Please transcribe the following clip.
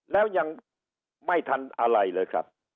แล้วยังไม่ทันอะไรเลยครับ